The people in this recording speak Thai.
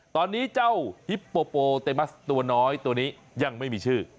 ตอนนี้เจ้าฮิปโปโปเตมัสตัวน้อยตัวนี้ยังไม่มีชื่อ